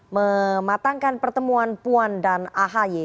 mematangkan pertemuan puan dan ahy